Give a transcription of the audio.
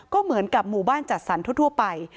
ก็เหมือนกับหมู่บ้านจัดสรรทั่วไป